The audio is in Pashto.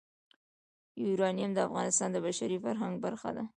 یورانیم د افغانستان د بشري فرهنګ برخه ده.